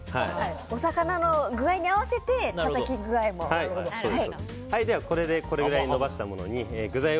お魚の具合に合わせてたたき具合も。